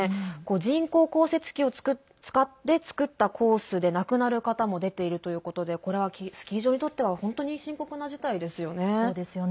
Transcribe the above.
人工降雪機を使って作ったコースで亡くなる方も出ているということでこれはスキー場にとっては本当に深刻な事態ですよね。